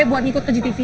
buat ikut ke jtv